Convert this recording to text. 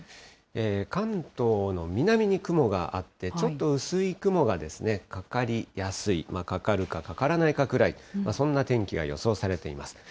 関東の南に雲があって、ちょっと薄い雲がかかりやすい、かかるかかからないかくらい、そんな天気が予想されています。